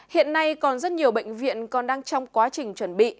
hiện nay còn rất nhiều bệnh viện còn đang trong quá trình chuẩn bị